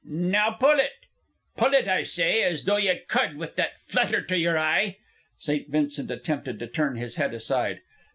"Now pull it. Pull it, I say. As though ye cud, with that flutter to yer eye." St. Vincent attempted to turn his head aside.